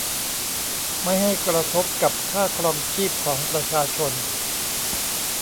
ไม่ให้กระทบกับค่าครองชีพของประชาชน